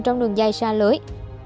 trong đường dài xa lưới